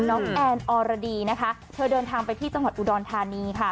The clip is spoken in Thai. แอนออรดีนะคะเธอเดินทางไปที่จังหวัดอุดรธานีค่ะ